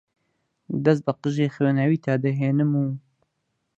دەست بە قژی خوێناویتا دەهێنم و